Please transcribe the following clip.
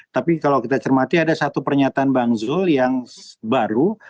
tapi kalau kita cermati ada satu pernyataan bang zul yang baru